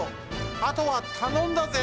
あとはたのんだぜ！